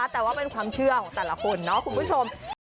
แต่ว่าเป็นความเชื่อของแต่ละคนเนาะคุณผู้ชม